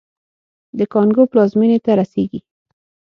د کانګو پلازمېنې ته رسېږي.